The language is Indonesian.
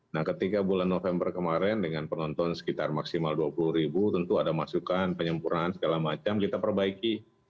nah ketika bulan november kemarin dengan penonton sekitar maksimal dua puluh ribu tentu ada masukan penyempurnaan segala macam kita perbaiki